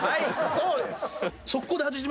そうです。